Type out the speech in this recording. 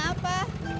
sampai jumpa lagi